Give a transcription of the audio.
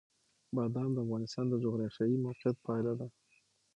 بادام د افغانستان د جغرافیایي موقیعت پایله ده.